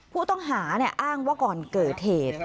ผู้ต้องหาอ้างว่าก่อนเกิดเหตุ